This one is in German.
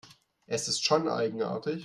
Es ist schon eigenartig.